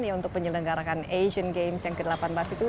ya untuk penyelenggaraan asian games yang ke delapan belas itu